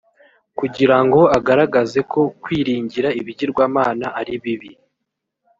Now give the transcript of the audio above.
kugira ngo agaragaze ko kwiringira ibigirwamana ari bibi